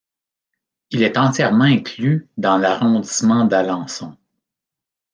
Il est entièrement inclus dans l'arrondissement d'Alençon.